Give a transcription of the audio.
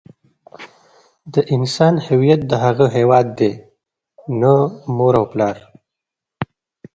د انسان هویت د هغه هيواد دی نه مور او پلار.